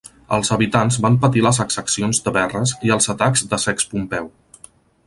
Els habitants van patir les exaccions de Verres i els atacs de Sext Pompeu.